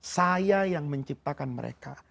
saya yang menciptakan mereka